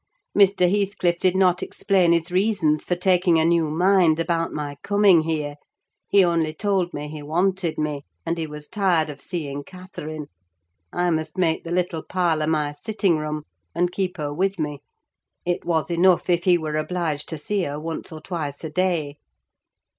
Mr. Heathcliff did not explain his reasons for taking a new mind about my coming here; he only told me he wanted me, and he was tired of seeing Catherine: I must make the little parlour my sitting room, and keep her with me. It was enough if he were obliged to see her once or twice a day.